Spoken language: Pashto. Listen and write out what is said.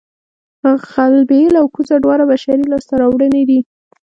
غلبېل او کوزه دواړه بشري لاسته راوړنې دي